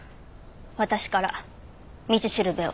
私から道しるべを。